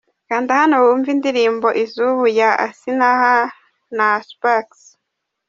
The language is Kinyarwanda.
Kanda hano wumve indirimbo 'Izubu' ya Asinaha ft Spaxx.